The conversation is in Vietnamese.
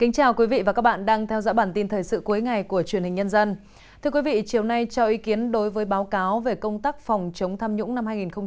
các bạn hãy đăng ký kênh để ủng hộ kênh của chúng mình nhé